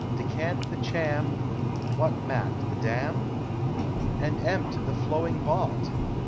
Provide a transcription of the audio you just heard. Decant the cham: (What matt: the dam:?) And empt: the flowing bott